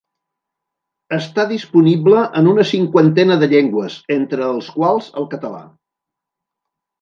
Està disponible en una cinquantena de llengües entre els quals el català.